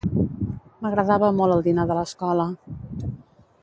M'agradava molt el dinar de l'escola